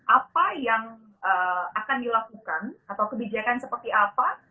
apa yang akan dilakukan atau kebijakan seperti apa